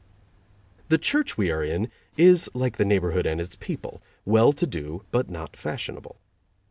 The church we are in is like the neighborhood and its people: well to do but not fashionable.